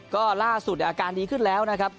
ก็ล่าสุดอาการดีขึ้นแล้วนะครับ